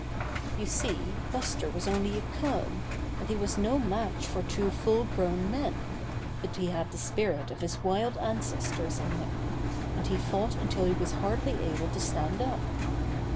You see, Buster was only a cub, and he was no match for two full grown men, but he had the spirit of his wild ancestors in him, and he fought until he was hardly able to stand up.